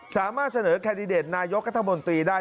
สามารถเสนอแคนดิเดตนายกรัฐมนตรีได้